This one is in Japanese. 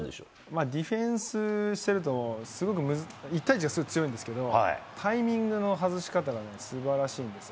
ディフェンスしてると、すごく、１対１はすごく強いんですけど、タイミングの外し方がね、すばらしいんですよ。